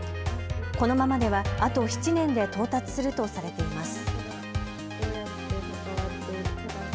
このままではあと７年で到達するとされています。